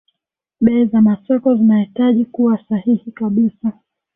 bei za masoko zinahitaji kuwa sahihi kabisa